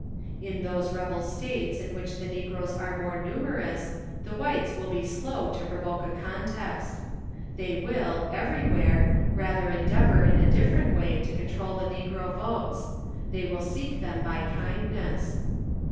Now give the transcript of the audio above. In those rebel States in which the negroes are the more numer ous, the whites will be slow to provoke a contest. They will, everj'where, rather endeavor in a different way to control the negro votes ; they will seek them b}^ kindness.